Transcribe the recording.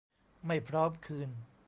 ไม่พร้อมคืน